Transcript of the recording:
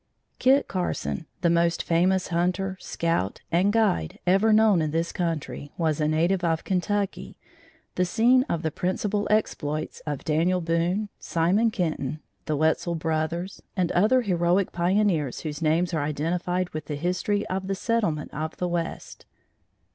"Kit Carson," the most famous hunter, scout and guide ever known in this country, was a native of Kentucky, the scene of the principal exploits of Daniel Boone, Simon Kenton, the Wetzel brothers and other heroic pioneers whose names are identified with the history of the settlement of the West.